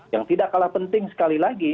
yang tidak kalah penting sekali lagi